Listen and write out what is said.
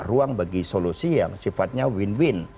ruang bagi solusi yang sifatnya win win